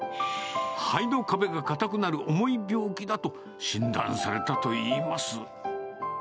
肺の壁が硬くなる重い病気だと診断されたといいます。